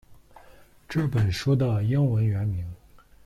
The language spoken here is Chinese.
这本书的英文原名